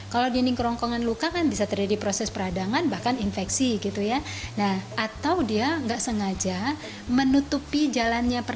kalau dinding kerongkongan luka kan bisa terjadi proses peradangan bahkan infeksi gitu ya